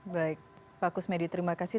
baik pak kusmedi terima kasih